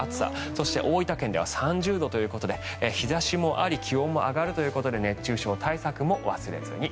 そして大分県では３０度ということで日差しもあり気温も上がるということで熱中症対策も忘れずに。